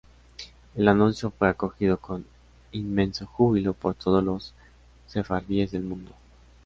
El anuncio fue acogido con inmenso júbilo por todos los sefardíes del mundo.